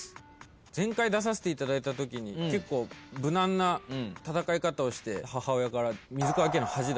前回出させていただいたときに結構無難な戦い方をして母親から。